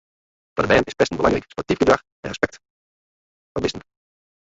Foar de bern is pesten belangryk, sportyf gedrach en respekt foar bisten.